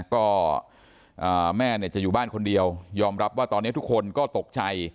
ก็แม่จะอยู่บ้านคนเดียวยอมรับว่าตอนนี้ทุกคนก็ตกใจ